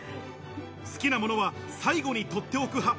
好きなものは最後にとっておく派。